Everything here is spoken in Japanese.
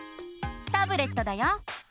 タブレットだよ！